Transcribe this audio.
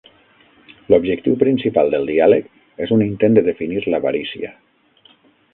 L'objectiu principal del diàleg és un intent de definir l'avarícia.